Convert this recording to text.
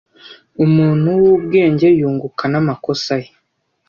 Umuntu wubwenge yunguka namakosa ye.